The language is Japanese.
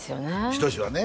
仁はね